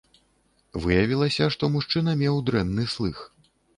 Выявілася, што мужчына меў дрэнны слых.